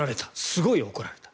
すごい怒られた。